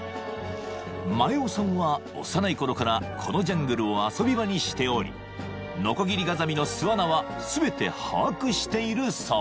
［前大さんは幼いころからこのジャングルを遊び場にしておりノコギリガザミの巣穴は全て把握しているそう］